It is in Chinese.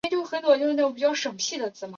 是现存北美的最大的蛙之一。